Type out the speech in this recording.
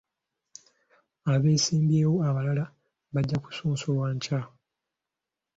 Abeesimbyewo abalala bajja kusunsulwa enkya.